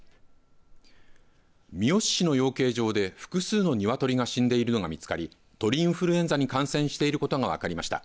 三次市の養鶏場で複数の鶏が死んでいるのが見つかり鳥インフルエンザに感染していることが分かりました。